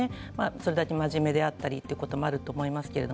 それだけ真面目だったりということもあると思います。